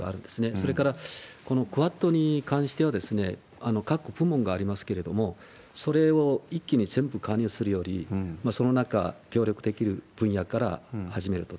それから、このクアッドに関しては、核問題がありますけれども、それを一気に全部加入するより、その中、協力できる分野から始めると。